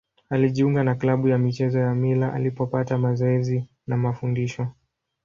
Alijiunga na klabu ya michezo ya Mila alipopata mazoezi na mafundisho.